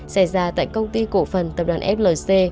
xảy ra tại công ty cổ phần tập đoàn flc